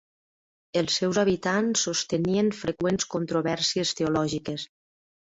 Els seus habitants sostenien freqüents controvèrsies teològiques.